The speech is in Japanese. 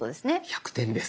１００点です。